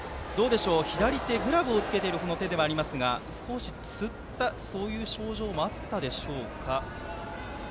左手グラブを着けている手ですが少し、つったような症状もあったでしょうか。